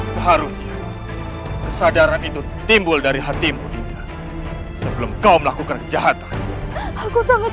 seharusnya kesadaran itu timbul dari hatimu sebelum kau melakukan kejahatan aku sangat